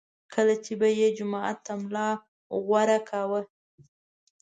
کله چې به یې جومات ته ملا غوره کاوه.